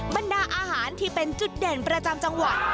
บรรดาอาหารที่เป็นจุดเด่นประจำจังหวัด